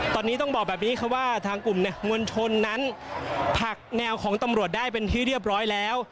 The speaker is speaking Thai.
ตอนนี้ต้องบอกแบบนี้ค่ะว่าทางกลุ่มมวลชนนั้นผลักแนวของตำรวจได้เป็นที่เรียบร้อยแล้ว